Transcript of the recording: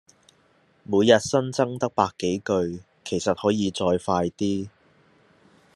每日新增得百幾句，其實可以再快啲